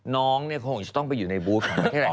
น้องเนี่ยคงจะต้องไปอยู่ในบูธของประเทศแหละ